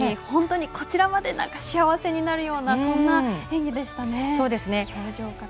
本当にこちらまで幸せになるようなそんな演技でしたね。